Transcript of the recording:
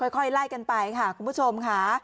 ค่อยไล่กันไปค่ะคุณผู้ชมค่ะ